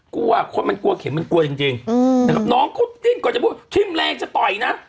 กลัวคนมันกลัวเข็มมันกลัวจริงนะครับน้องคบดิ้นกว่าจะพูดทิ้มแรงจะต่อยนะ